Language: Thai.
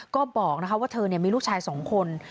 ก็บอกว่าเธอมีลูกชาย๒คน